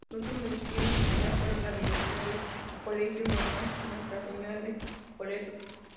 El último destino militar fue la dirección del Colegio Menor Nuestra Señora de Loreto.